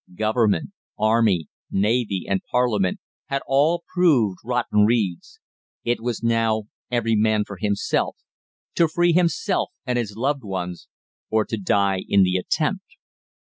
Government, Army, Navy, and Parliament had all proved rotten reeds. It was now every man for himself to free himself and his loved ones or to die in the attempt.